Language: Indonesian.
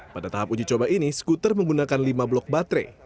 pada tahap uji coba ini skuter menggunakan lima blok baterai